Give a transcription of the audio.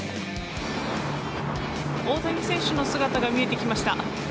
大谷選手の姿が見えてきました。